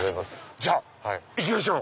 じゃあ行きましょう！